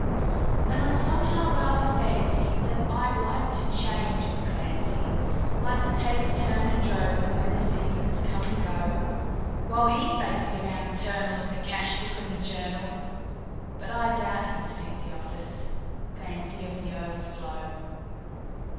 And I somehow rather fancy that I'd like to change with Clancy, Like to take a turn at droving where the seasons come and go, While he faced the round eternal of the cash book and the journal But I doubt he'd suit the office, Clancy, of The Overflow.